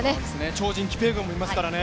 超人・キピエゴンもいますからね。